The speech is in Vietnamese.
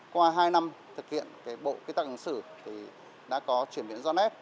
qua hai năm thực hiện bộ quy tắc ứng xử đã có chuyển biến do nét